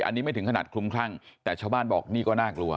อันนี้ไม่ถึงขนาดคลุมคลั่งแต่ชาวบ้านบอกนี่ก็น่ากลัว